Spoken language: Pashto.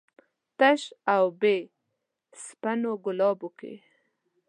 تش او بې سپینو ګلابو و.